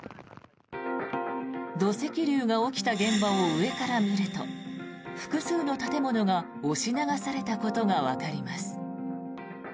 土石流が起きた現場を上から見ると複数の建物が押し流されたことがわかります。